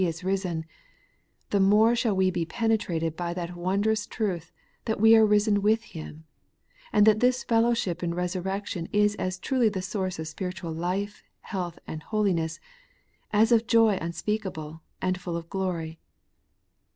is risen, the more shall we be penetrated by that wondrous truth that we are risen with Him, and that this fellowship in resurrec tion is as truly the source of spiritual life, health, and holiness, as of joy unspeakable and full of glory.